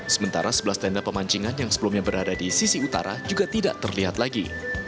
sementara sebelas tenda pemancingan yang sebelumnya berada di sisi utara juga tidak terlihat lagi